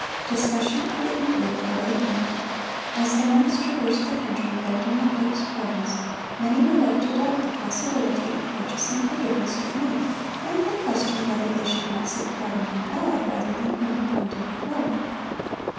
Discussion and inquiry were awakening. As the monks traversed the country, vending the pope's pardons, many were led to doubt the possibility of purchasing forgiveness with money, and they questioned whether they should not seek pardon from God rather than from the pontiff of Rome.